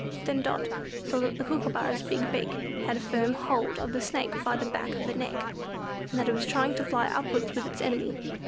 Then Dot saw that the Kookooburra's big beak had a firm hold of the Snake by the back of the neck, and that it was trying to fly upwards with its enemy.